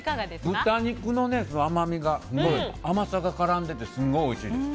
豚肉の甘み、甘さが絡んでいてすごいおいしいです。